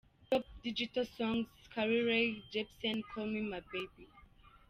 Top Digital Song: Carly Rae Jepsen "Call Me Maybe".